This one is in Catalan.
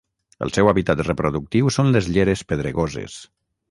El seu hàbitat reproductiu són les lleres pedregoses.